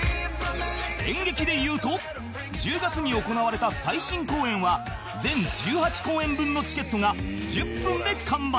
演劇でいうと１０月に行われた最新公演は全１８公演分のチケットが１０分で完売